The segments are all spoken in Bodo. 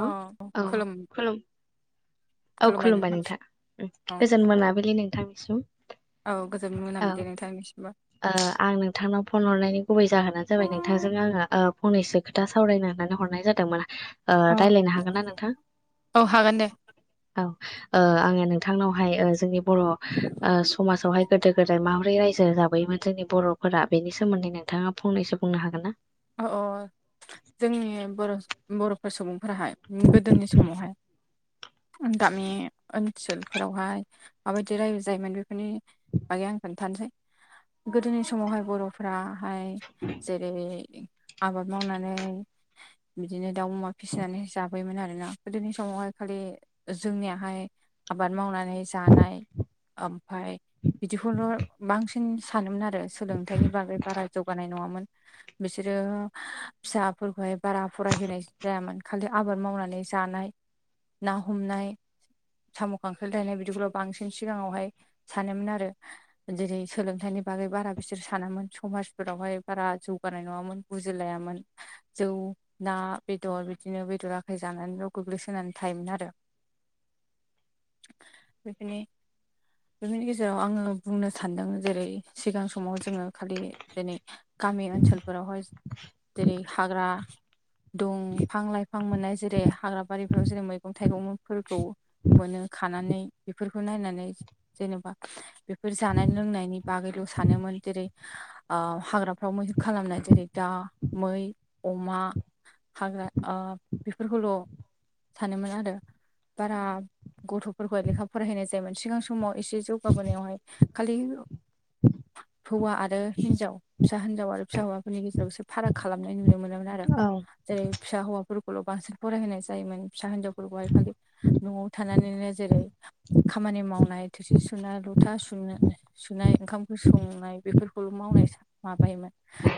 अ औ खुलुम औ खुलुमबाय नोंथां औ गोजोन मोनाबिलि नोंथांनिसिम औ गोजोन औ मोनाबिलि नोंथांनिसिमबो आं नोंथांनाव फन हरनायनि गुबै जाहोनानो जाबाय नोंथांजों आङो फंनैसो खोथा सान सावरायनानै हरनाय जादोंमोन अ रायलायनो हागोन ना नोंथां औ हागोन दे औ अ आङो नोंथांनावहाय जोंनि बर‌ समाजाव आवहाय गोदो गोदाय माबोरै रायजो जाबयोमोन जोंनि बरफोरा बेनि सोमोन्दै नोंथाङा फंनैसो बुंनो हागोन ना अ औ जोंनि बर बरफोर सुबुंफोराहाय गोदोनि समावहाय गामि ओनसोलफोरावहाय माबायदि रायजो जायोमोन बेफोरनि बागै आं खोननथानोसै गोदोनि समावहाय बरफोराहाय जेरै आबाद मावनानै बिदिनो दाउ अमा फिसिनानै जबोयोमोन आरोना गोदोनि समावहाय खालि जोंनियाहाय आबाद मावनानै जानाय ओमफाय बिदिखौल' बांसिन सानोमोन आरो सोलोंथाइनि बागै बारा जौगानाय नङामोन बेसे बिसोरो फिसाफोरखौहाय बारा फरायहोनाय जायामोन खालि आबाद मावनानै जानाय ना हमनाय साम' खांख्रिाइ दायनाय बिदिखौल' बांसिन सिगाङावहाय सानोमोन आरो जेरै सोलोंथाइनि नि बै बारा बिसोर सानामोन समाजफोरावहाय बारा जौगानाय नडामोन बोजिलायामोन जौ ना बेदर बिदिनो जानानैनो गोग्लैसोनानै थोननानै थायोमोन आरो [unintelligible] बिदिनि बेनि गेजेराव आङो बुंनो सानदों जेरै सिगां समाव जोङो खालि दिनै गामि ओनसोलफोरावहाय जेरै हाग्रा दंफां लाइफां मोननाय जेरै हाग्रा बारिफोराव जेरै मैगं थाइगंफोरखौ मोनो खानानै बेफोरखौ नायनानै जेनेबा बेफोर जानाय लोंनायनि बागै सानोन जेरै हाग्राफ्राव मैहुर खालामनाय जेरै दा मै अमा हाग्रा बेफोरखौल' सानोमोन आरो बारा गथ'फोरखौहाय लेखा फरायहैनाय जायोमोन सिगां समाव एसे जौगाबोनायावहाय खालि हौवा आरो हिनजाव फिसा हिनजाव आरो फिसा हौवा फोरनि गेजेराव एसे फाराग खालामनाय नुनो मोनोमोन आरो औ जेरै फिसा हौवाफोरखौ स्कुलाव बांसिन फरायहोनाय जायोमोन फिसा हिनजावफोरखौहाय खालि न'आव थानानैनो जेरै खामानि मावनाय थोरसि सुनाय लथा सुनाय सुनाय ओंखामफोर संनाय बेफोरखौल' माव माबायोमोन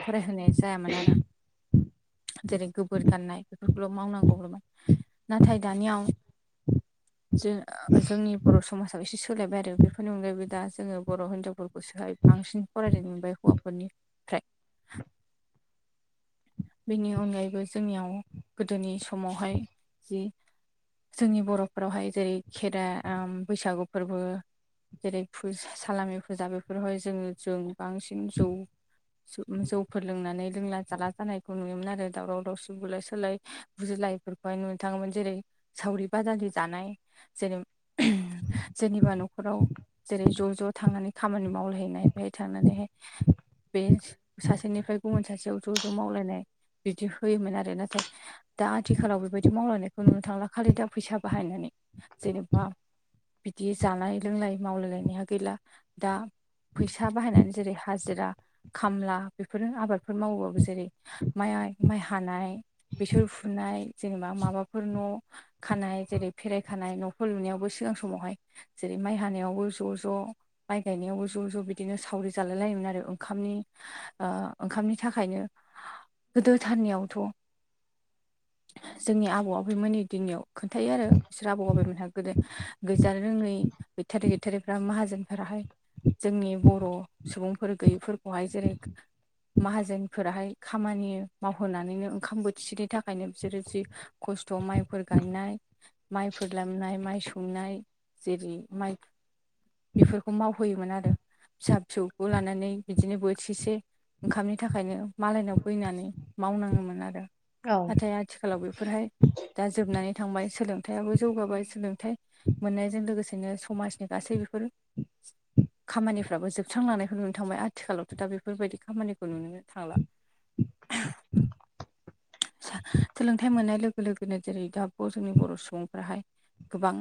फरायहोनाय जायामोन आरो [unintelligible] जेरै गोबोर गाननाय बेफोरखौल' मावनांगौ हरबाय नाथाय दानियाव [inaudible] जों जोंनि बर' समाजाव एसे सोलायबाय आरो बेफोरनि अनगायैबो दा जोङो बर' हिनजावफोरखौ सोलायब बांसिन फरायनो मोनबाय हौवाफोरनिफ्राय बेनि अनगायैबो जोंनियाव गोदोनि समावहाय जि जोंनि बर'फोरावहाय जेरै खेराइ बैसागु फोरबो जेरै सालामि फुजा बेफोरावहाय जोङो जों बांसिन जौ जौफोर लोंनानै लोंला जाला जानाय नुयोमोन आरो दावराव दावसि बुलाय सोलाय बुजिलायफोरखौहाय नुनो थाङोमोन जेरै सावरि बाजार जानाय जेनेबा न'खराव जेरै ज' ज' थांनानै खामानि मावलायहैनाय बेहाय थांनानैहाय बे सासेनिफ्राय गुबुन सासेयाव ज' ज' मावलायनाय बिदि होयोमोन आरो नाथाय दा आथिखालाव बेबायदि मावलायनायखौ नुनो थांला खालि दा फैसा बाहायनाय जेनबा बिदि जानाय लोंनाय मावलायलायनाया गैला दा फैसा बाहायनानै जेरै हाजिरा खामला बेफोरनो आबादफोर मावोबाबो जेरै माइ माइ हानाय बेसर फुनाय जेनेबा माबाफोर न' खानाय जेरै फेराय खानाय न'फोर लुनायावबो सो मोजां समावहाय जेरै माइ हानायावबो ज' ज' माइ गायनायावबो ज' ज' बिदिनो सावरि जालाय लाय आरो ओं ओंखामनि थाखायनो गोदोथारनियावथ' जोंनि आबौ आबैमोननि दिननियाव खोन्थायो आरो बिसोर आबौ आबैमोन हागोन गोदो गोैजानो रोङै गैथारै गैथारै फोरा माहाजोनफोराहाय जोंनि बर' सुबुंफोर गैयैफोरखौहाय जेरै माहाजोनफोराहाय खामानि मावहोनानैनो ओंखाम बोथिसेनि थाखायनो बिसोरो जि खस्थ' माइफोर गायनाय माइफोर नाय माइ सौनाय जेरै माइ बेफोरखौ मावहोयोमोन आरो फिसा फिसौखौ लानानै बिदिनो बोथिसे ओंखामनि थाखायनो मालायनाव फैनानै मावनाङोमोन आरो औ नाथाय आथिखालाव बेफोरहाय दा जोबनानै थांबाय सोलोंथायाइाबो जौगाबाय सोलोंथाइ मोननायजों लोगोसेनो समाजनि गासै बेफोर [unintelligible] खामानिफ्राबो जोबस्रांलांनायखौ नुनो थांबाय आथिखालावथ' दा बेफोरबायदि खामानिखौ नुनो थांला [unintelligible] सोलोंथाइ मोननाय लोगो लोगोनो जेरै दा जोंनि बर' सुबुंफ्राहाय गोबां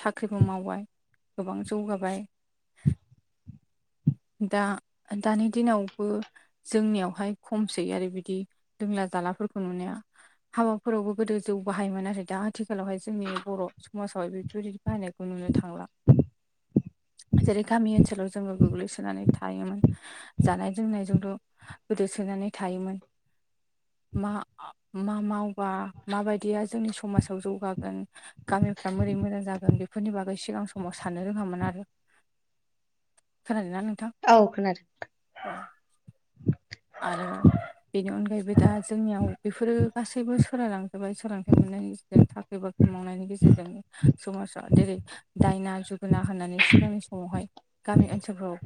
साख्रिबो मावबाय गोबां जौगाबाय [unintelligible] दा दानि दिनावबो जोंनियावहाय खमसै आरो बिदि लोंला जालाफोरखौ नुनाया हाबाफोरावबो गोदो जौ बाहायोमोन आरो दा आथिखालावहाय जोंनि बर' समाजाव बेफोरबायदि बाहायनायखौ नुनो थांला [unintelligible] जेरै गामि ओनसोलाव जोंबो गोग्लैसोनानै थायोमोन जानाय लोंनायजोंल' गोदो सोनानै थायोमोन मा मा मावबा माबायदिया जोंनि समाजाव जौगागोन गामिफ्रा बोरै मोजां जागोन बे बेफोरनि बागै सिगां समाव साननो रोङामोन आरो खोनादों ना नोंथां औ खोनादों आरो बेनि अनगायैबो दा जोंनियाव बेफोरो गासैबो सोलायलांजोबाय सोलोंथाइ मोननायनि गेजेरजों साख्रि बाख्रि मावनायनि गेजेरजों समाजाव जेरै दायना जुगोना होननानै सिगांनि समावहाय गामि ओनसोलफ्राव नो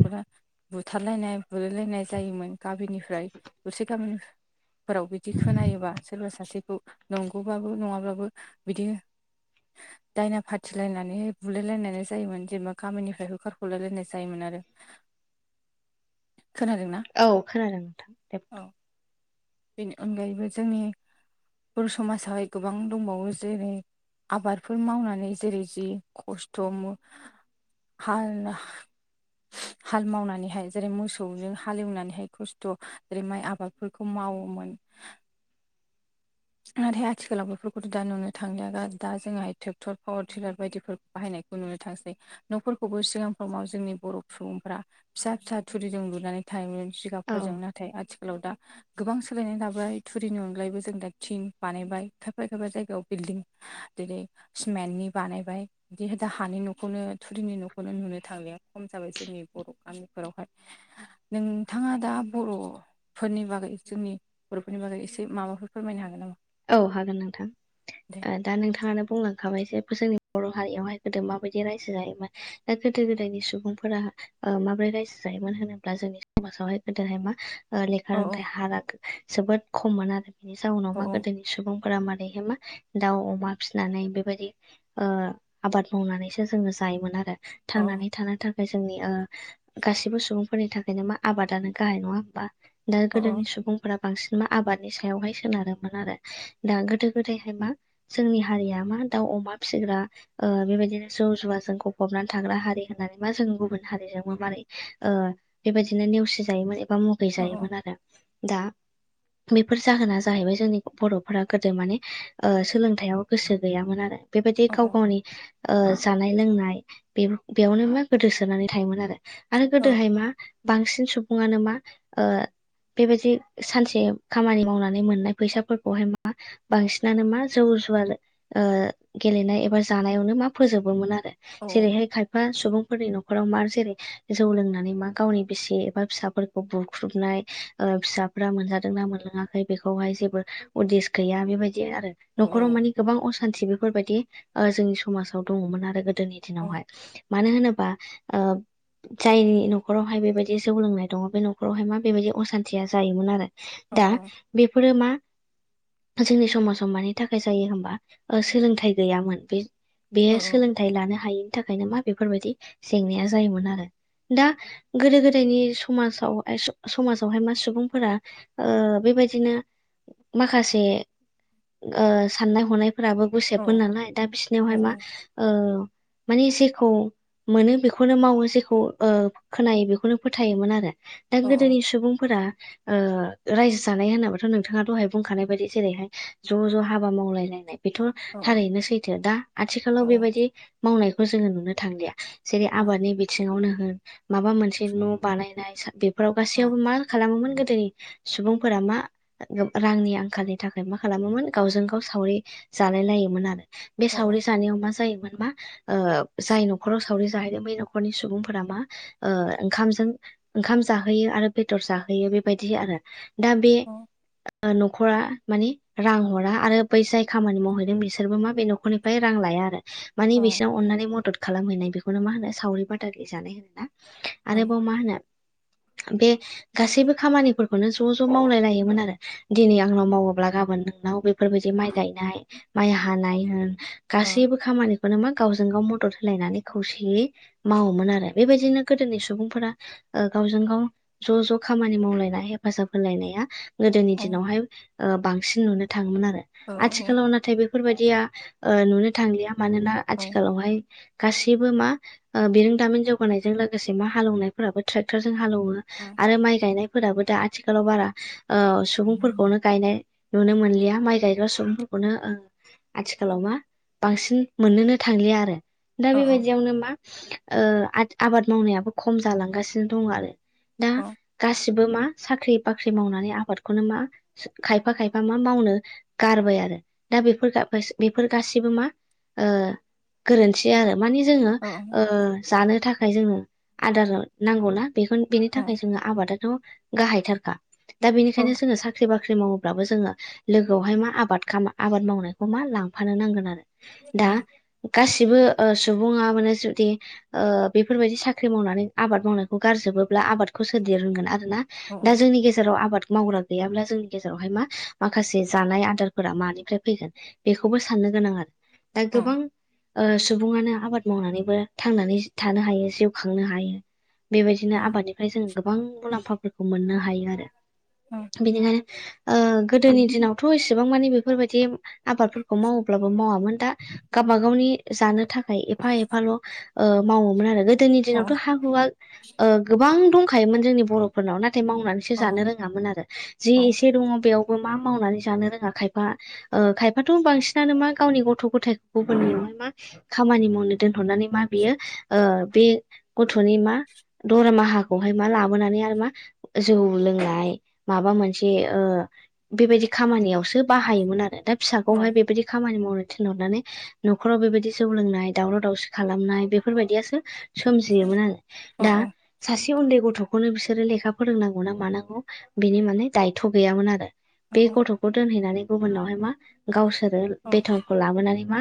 बुथारलायनाय बुलायलायनाय जायोमोन गामिनिफ्राय दरसे गामिनिफ्राय फोराव बिदि खोनायोबा सोरबा सासेखौ नंगौबाबो नङाब्लाबो बिदि दायना फाथिलायनानै बुलायलायनाय जायोमोन जेनेबा गामिनिफ्राय होखारखलायलायनाय जायोमोन आरो आरो [unintelligible] खोनादोंना औ खोनादों नोंथां औ बेनि अनगायैबो जोंनि बर' समाजावहाय गोबां दंबावो जेरै आबादफोर मावनानै जेरै जि खस्थ' हाल हाल मावनानैहाय जेरै मोसौनो हालेवनानैहाय खस्थ' जेरै माइ आबादफोरखौ मावो मोन नाथाय आथिखालाव बेफोरखौथ' दा नुनो थांनाया दा जोंहाय ट्रेक्टर पावार टिलार बायदिफोरखौ बाहायनाय खौ नुनो थांसै न'फोरखौबो सिगां समाव जोंनि बर' सुबुंफ्रा फिसा फिसा थुरिजों लुनानै थायोमोन औ जिगाबफोरजों नाथाय आथिखालाव दा गोबां सोलायनाय लााबाय थुरिनि अनगायैबो जों दा थिंनि बानायबाय खायफा खायफा जायगायाव बिलडिं जेरै सिमेन्टनि बानायबाय बिदि दा हानि न'खौनो थुरिनि न'खौनो लुनो थांनाया खम जाबाय जोंनि बर' गामिफोरावहाय नोंथाङा दा बर'फोरनि बागै जोंनि बर'फोरनि बागै एसे माबाफोरखौ फोरमाय हागोन औ हागोन दे नोंथां दा नोंथाङानो बुंलांखाबाय जे जोंनि बर' हारियावहाय गोदो माबायदि रायजो जायोमोन दा गोदो गोदायनि सुबुंफोरा माब्रै रायजो जायोमोन होनोब्ला जोंनि समाजावहाय गोदोहाय मा लेखा औ रोंथाइ हारा जोबोद खममोन आरो बेनि जाउनाव औ मा गोदोनि सुबुंफोरा मारैहाय मा दाउ अमा फिसिनानै बेबायदि आबाद मावनानैसो जोङो जायोमोन आरो औ थांनानै थानो थांखाय जोंनि गासिबो सुबुंफोरनि थाखायनो मा आबादानो गाहाय नङा होमबा दा औ गोदोनि सुबुंफोरा बांसिन मा आबादनि सायावहाय सोनारो मोन आरो दा गोदो गोदायहाय मा जोंनि हारिया मा दाउ अमा फिसिग्रा ओ बेबाय बिदिनो जौ जुवाजों गफ'बनानै थाग्रा हारि होननानै मा जों गुबन हारिजोंबो मारै ओ बेबाय बिदिनो नेवसि जायोमोन एबा मुगै औ जायोमोन आरो दा बेफोर जाहोना जाहैबाय जोंनि बर'फोरा गोदो माने ओ सोलोंथायाइयाव गोसो गैयामोन आरो बेबायदि औ गाव गावनि ओ जानाय-लोंनाय बे बेयावनो मा गोदोसोनानै थायोमोन आरो आरो गोदोहाय मा बांसिन सुबुङानो मा ओ बेबायदि सानसे खामानि मावनानै मोननाय फैसाफोरखौहाय मा बांसिनानो मा जौ जुवार ओ गेलेनाय एबा जानायावनो फोजोबोमोन आरो औ जेरैहाय खायफा सुबुङा सुबुंफोरनि न'खराव मा जेरै जौ लोंनानै मा गावनि बिसि एबा फिसाफोरखौ बुख्रुबनाय ओ फिसाफोरा मोनजादोंना मोनलोङाखै बेखौहाय जेब बो उदिस गैया बेबायदि आरो औ नख'राव माने गोबां खानथि बेफोरबायदि ओ जोंनि समाजाव दङ'मोन आरो गोदोनि दिनावहाय मानो होनोबा ओ जायनि न'खरावहाय बेबायदि जौ लोंनाय दङ' बे न'खरावहाय मा बेबायदि असानथिया जायोमोन आरो दा बेफोरो मा जोंनि समाजाव मानि थाखाय जायो होमबा ओ सोलोंथाइ गैयामोन बे औ बेयो सोलोंथाइ लानो हायैनि थाखायनो मा बेफोरबायदि जेंनाया जायोमोन आरो दा गोदो-गोदायनि समाजाव समाजावहाय मा सुबुंफोरा ओ बे बेबायदिनो माखासे ओ साननाय हनाय फोराबो औ गुसेबमोन नालाय दा बिसिनियावहाय मा औ ओ माने जेखौ मोनो बेखौनो मावो जेखौ ओ खोनायो बेखौनो फोथायोमोन आरो दा गोदोनि औ सुबुंफोरा ओ रायजो जानाय होनोबाथ' नों नोंथाङा दहाय बुंखानाय बायदि जेरैहाय ज' ज' हाबा मावलायलायनाय बेथ' थारैनो सैथो दा आथिखालाव बेबायदि मावनायखौ जोङो नुनो थांलिया जेरै आबादनि बिथिङावनो होन माबा मोनसे न' बानायनाय बे फोराव गासैयावबो मा खालामोमोन गोदोनि सुबुंफोरा मा रांनि आंखालनि थाखाय मा खालामोमोन गावजों गाव सावरि जालाय लायोमोन आरो बे सावरि जानायाव मा जायोमोन मा ओ जाय न'खराव सावरि जाहैदों बै न'खरनि सुबुंफोरा मा ओ ओंखामजों ओंखाम जाहोयो आरो बेदर जाहोयो बेबायदि आरो दा बे न'खरा मानिे रां हरा आरो बै जाय खामानि मावहैदों बिसोरबो मा बे नख'रनिफ्राय रां लाया आरो मानिे बिसिनाव अननानै मदद खालामहैनाय बेखौनो मा होनो सावरि बादालि जानाय होनना आरोबाव मा होनो बे गासैबो खामानिफोरखौनो ज' ज' मावलाय लायोमोन आरो दिनै आंनाव मावोब्ला गाबोन नोंनाव बेफोरबायदि माइ गायनाय माइ हानाय होन गासैबो खामानि बेखौनो मा गावजों गाव मदद होलायनानै खौसेयै मावोमोन आरो बेबायदिनो गोदोनि सुबुंफोरा ओ गावजों गाव ज' ज' खामानि मावलायनाय हेफाजाब होलायनाया गोदोनि दिनावहाय ओ बांसिन नुनो थाङोमोन आरो आथिखालाव नाथाय बेफो फोरबायदिया ओ नुनो थांलिया मानोना आथिखालावहाय गासैबो मा ओ बिरोंदामिन जौगानायजों लोगोसे मा हालौनायफोराबो ट्रेक्टरजों हालौवो आरो माइ गायनायफोराबो दा आथिखालाव बारा सुबुंफोरखौनो गायनाय नुनो मोनलिया माइ गायग्रा सुबुंफोरखौनो ओ आथिखालाव मा बांसिन मोननोनो थांलिया आरो दा बेबायदियावनो मा ओ आद आबाद मावनायाबो खम जालांगासिनो दं आरो दा गाससि बो मा साख्रि बाख्रि मावनानै आ आबादखौनो मा खायफा खायफा मा मावनो गारबाय आरो दा बेफोर [unintelligible] बेफोर गासबो सिबो मा ओ गोरोनथि आरो मानि जोङो औ ओ जानो थाखाय जोंनो आदार नांगौ ना बेखोन बेनि औ थाखाय जोङो आबादाथ' गाहायथारखा दा अ बेनिखायनो जोङो साख्रि बाख्रि साख्रि मावोब्लाबो जोङो लोगोआवहाय मा आबाद आबाद मावनायखौ मा लांफानो नांगोन आरो अ दा गासिबो सुबुङा माने जुदि ओ बेफोरबायदि साख्रि मावनानै आबाद मावनायखौ गारजोब [unintelligible] आबादखौ सोर दिरुनगोन आरोना अ दा जोंनि गेजेराव आबाद मावग्रा गैयाब्ला जोंनि गेजेराव हाय मा माखासे जानाय आदारफोरा मानिफ्राय फैगोन बेखौ बो साननो गोनां आरो दा अ गोबां सुबुङानो आबाद मावनानैबो थांनानै थानो हायो जिउ खांनो हायो बेबायदिनो अ आबादनिफ्राय जोंङो गोबां मुलाम्फाफोरखौ मोननो हायो आरो अ बेनिखायनो अ गोदोनि दिनावथ' एसेबां मानि बेफोरबायदि आबादफोरखौ मावोब्लाबो मावा दा गावबा गावनि जानो थाखाय एफा एफाल' मावोमोन आरो गो दोनि दिनावथ' हा हुवा ओ गोबां दंखायोमोन जोंनि बर'फोरनाव नाथाय मावनानै अ जानो रोङामोन आरो जि अ एसे दङ बेयाव मा मावनानै जानो रोङा खायफा खायफाथ' बांसिनानो मा गावनि गथ' गथाय [unintelligible] खामानि मावनो दोनहरनानै मा बियो बे गथ'नि मा दरमाहाखौहाय मा लाबोनानै आरो मा जौ लोंनाय माबा मोनसे ओ बेबायदि खामानियावसो बाहायोमोन आरो दा अ फिसाखौहाय बेबायदि खामानि मावनो थिनहरनानै न'खराव बेबायदि जौ लोंनाय दावराव दावसि खालामनाय बेफोरबायदियासो सोमजियोमोन आरो अ दा सासे उन्दै गथ'खौनो बिसोरो लेखा फोरोंनांगौ ना मानांगौ बिनि माने दायथ' गैयामोन आरो अ बे अ गथ'खौ दोनहैनानै गुबुनावहाय मा गावसोरो बेथानखौ लाबोनानै मा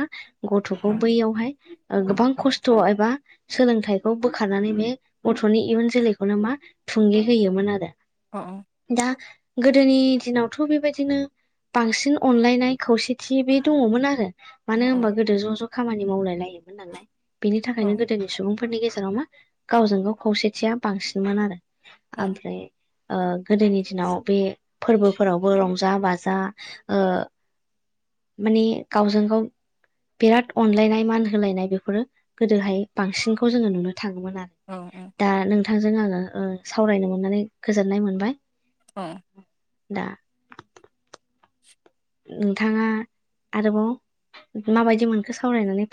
गथ'खौ बैयावहाय गोबां खस्थ' एबा सोलोंथाइखौ बोखारनानै बे गथ'नि इयुन जोलैखौनो मा थुंगे होयोमोन आरो दा गोदोनि दिनावथ' बेबायदिनो बांसिन अनलायनाय खौसेथि बे दङमोन आरो मानो होनबा गोदो ज' ज' खामानि मावलाय लायोमोन नालाय बेनि थाखायनो गोदोनि सुबुं फोरनि गेजेराव मा गावजों गाव खौसेथिया बांसिनमोन आरो ओमफ्राय ओ गोदोनि दिनाव बे फोरबोफोरावबो रंजा बाजा माने गावजों गाव बिराद अनलायनाय मान होलायनाय बेफोरो गोदोहाय बांसिनखौ जोङो नुनो थाङोमोन अ आरो अ दा नोंथांजों आङो सावरायनो मोननानै गोजोननाय मोनबाय औ दा नोंथाङा आरोबाव माबायदि मोनखो सावरायनानै